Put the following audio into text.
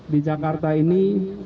di jakarta ini